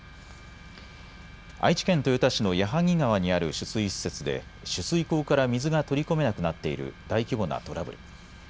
愛知県豊田市の矢作川にある取水施設で取水口から水が取り込めなくなっている大規模なトラブル。